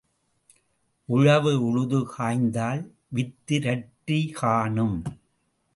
உழவு உழுது காய்ந்தால் வித்து இரட்டி காணும்.